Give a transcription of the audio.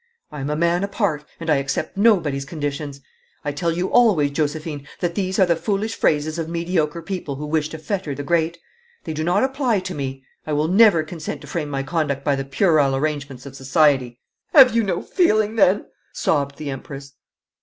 I am a man apart, and I accept nobody's conditions. I tell you always, Josephine, that these are the foolish phrases of mediocre people who wish to fetter the great. They do not apply to me. I will never consent to frame my conduct by the puerile arrangements of society.' 'Have you no feeling then?' sobbed the Empress.